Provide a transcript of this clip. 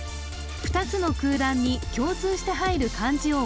２つの空欄に共通して入る漢字をお答えください